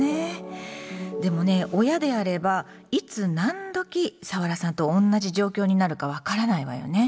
でもね親であればいつ何どきサワラさんと同じ状況になるか分からないわよね。